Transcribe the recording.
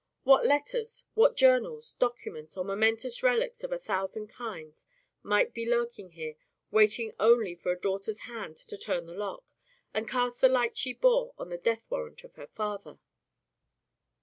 What letters, what journals, documents, or momentous relics of a thousand kinds, might be lurking here, waiting only for a daughter's hand to turn the lock, and cast the light she bore on the death warrant of her father!